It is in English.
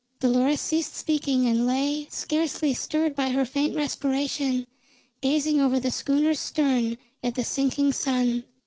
Dolores ceased speaking and lay, scarcely stirred by her faint respiration, gazing over the schooner's stern at the sinking sun.